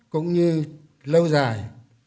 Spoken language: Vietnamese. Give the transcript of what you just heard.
cũng như lâu dài